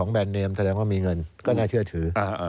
แบ่งนำเชื่อถือ